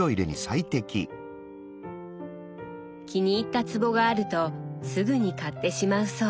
気に入った壺があるとすぐに買ってしまうそう。